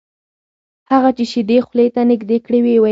هغه چې شیدې خولې ته نږدې کړې ویې ویل: